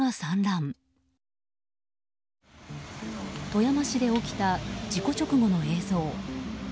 富山市で起きた事故直後の映像。